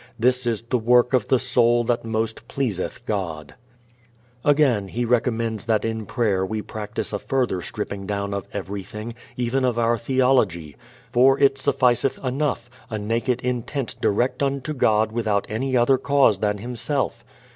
This is the work of the soul that most pleaseth God." Again, he recommends that in prayer we practice a further stripping down of everything, even of our theology. "For it sufficeth enough, a naked intent direct unto God without any other cause than Himself."